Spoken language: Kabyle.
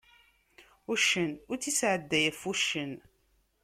Uccen ur tt-isɛedday ɣef uccen.